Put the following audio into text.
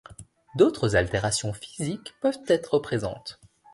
D'autres altérations physiques peuvent être présentes.